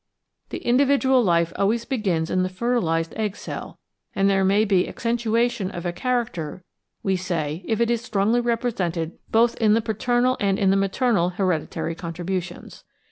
The individual life always begins in the fertilised egg cell, and there may be accentuation of a charac ter, we say, if it is strongly represented both in the paternal and in the maternal hereditary contributions.